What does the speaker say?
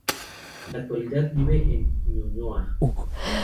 En la actualidad vive en Ñuñoa.